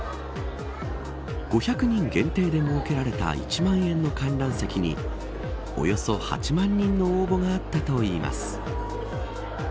５００人限定で設けられた１万円の観覧席におよそ８万人の応募があったといいます。